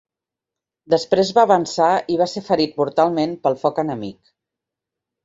Després va avançar i va ser ferit mortalment pel foc enemic.